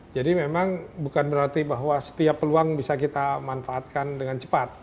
jadi memang bukan berarti bahwa setiap peluang bisa kita manfaatkan dengan cepat